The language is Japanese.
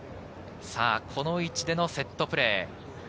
この位置でのセットプレー。